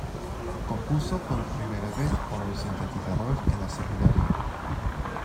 Compuso por primera vez con un sintetizador en la secundaria.